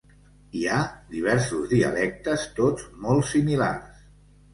Hi ha diversos dialectes tots molt similars.